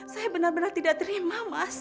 saya benar benar tidak terima mas